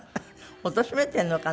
おとしめているのかな。